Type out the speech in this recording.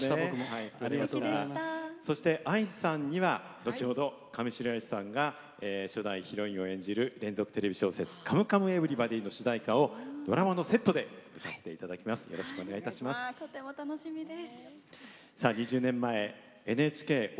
そしてＡＩさんには後ほど上白石さんが初代ヒロインを務める連続テレビ小説「カムカムエヴリバディ」の主題歌をドラマのセットで歌っていただきます。